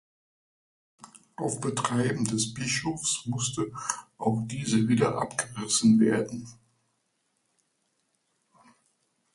Auf Betreiben des Bischofs musste auch diese wieder abgerissen werden.